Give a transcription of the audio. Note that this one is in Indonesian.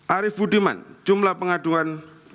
arif budiman jumlah pengaduan empat puluh lima